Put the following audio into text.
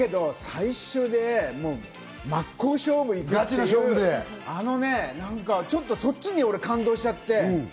だけど最終で真っ向勝負にいって、ちょっとそっちに感動しちゃって。